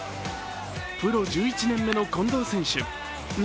プロ１１年目の近藤選手。